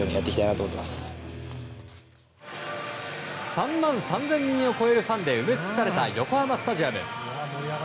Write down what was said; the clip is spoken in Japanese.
３万３０００人を超えるファンで埋め尽くされた横浜スタジアム。